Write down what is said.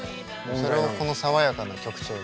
それをこの爽やかな曲調に。